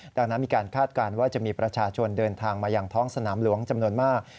ดังนั้นมีการคาดการณ์ว่าจะมีประชาชนเดินทางมาอย่างท้องสนามหลวงจำนวนมาก